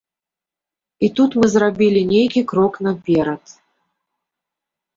І тут мы зрабілі нейкі крок наперад.